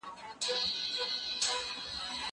زه د تکړښت لپاره تللي دي؟